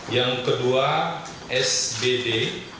yang kedua sge